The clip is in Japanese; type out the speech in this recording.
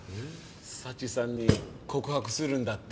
佐知さんに告白するんだって。